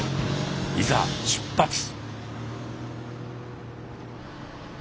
いざ出発。